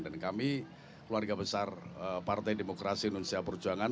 dan kami keluarga besar partai demokrasi indonesia perjuangan